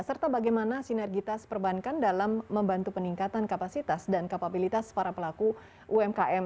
serta bagaimana sinergitas perbankan dalam membantu peningkatan kapasitas dan kapabilitas para pelaku umkm